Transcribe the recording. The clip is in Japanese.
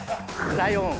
ライオン。